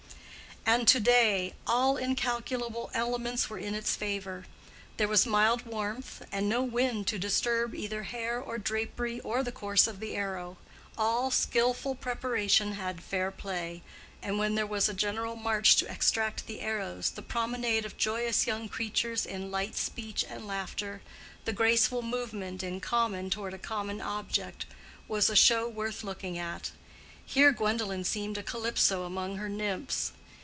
And to day all incalculable elements were in its favor. There was mild warmth, and no wind to disturb either hair or drapery or the course of the arrow; all skillful preparation had fair play, and when there was a general march to extract the arrows, the promenade of joyous young creatures in light speech and laughter, the graceful movement in common toward a common object, was a show worth looking at. Here Gwendolen seemed a Calypso among her nymphs.